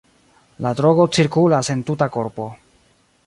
La drogo cirkulas en tuta korpo.